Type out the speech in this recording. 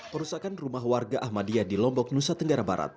perusakan rumah warga ahmadiyah di lombok nusa tenggara barat